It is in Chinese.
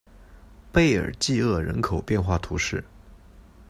贝尔济厄人口变化图示